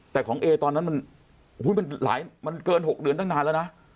แต่ของเอตอนนั้นมันเกิน๖เดือนตั้งนานแล้วนะ